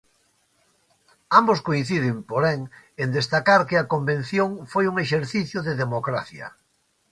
Ambos coinciden, porén, en destacar que a Convención foi un exercicio de democracia.